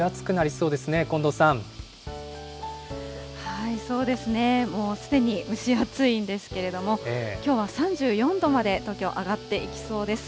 そうですね、もうすでに蒸し暑いんですけれども、きょうは３４度まで東京、上がっていきそうです。